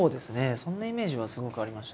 そんなイメージはすごくありましたね。